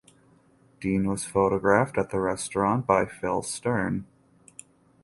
Dean was photographed at the restaurant by Phil Stern.